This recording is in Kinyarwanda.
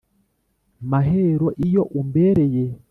mahero iyo umbereye